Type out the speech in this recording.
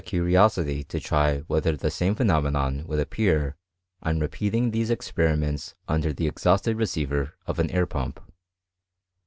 313 ^ curiosity to try whether the same phenomenon ^^^Id appear on repeating these experiments under r?^ exhausted receiver of an air pump.